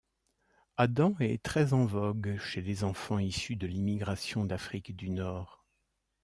Adam est très en vogue chez les enfants issus de l'immigration d'Afrique du Nord.